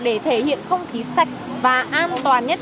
để thể hiện không khí sạch và an toàn nhất